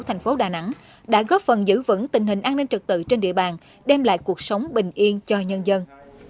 thành phố đà nẵng đã góp phần giữ vững tình hình an ninh trực tự trên địa bàn đem lại cuộc sống bình yên cho nhân dân